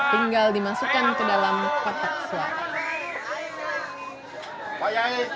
tinggal dimasukkan ke dalam kotak suara